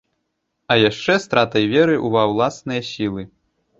А яшчэ стратай веры ва ўласныя сілы.